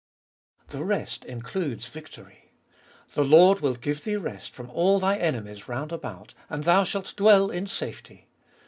3. The rest includes victory : "The Lord will give thee rest from all thu enemies round about, and thou shalt dwell in safety."